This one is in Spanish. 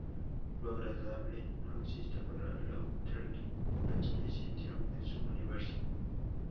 Lo agradable no existe para Lautrec, no tiene sitio en su universo.